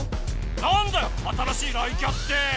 なんだよ新しい雷キャって！